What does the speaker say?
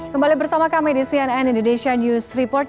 kembali bersama kami di cnn indonesia news report